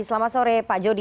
selamat sore pak jody